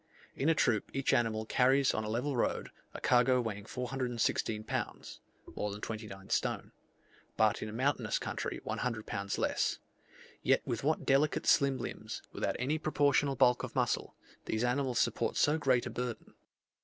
In a troop each animal carries on a level road, a cargo weighing 416 pounds (more than 29 stone), but in a mountainous country 100 pounds less; yet with what delicate slim limbs, without any proportional bulk of muscle, these animals support so great a burden!